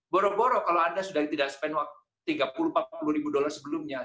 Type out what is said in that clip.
barang barang kalau anda sudah tidak menghabiskan tiga puluh empat puluh ribu dolar sebelumnya